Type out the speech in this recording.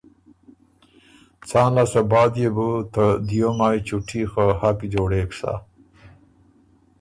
څان لاسته بعد يې بو ته دیو مایٛ چُوټي خه حق جوړېک سۀ